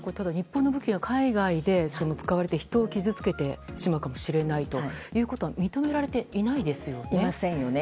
日本の武器が海外で使われて人を傷つけてしまうかもしれないということはいませんよね。